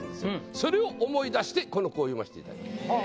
それを思い出してこの句を詠ませていただきました。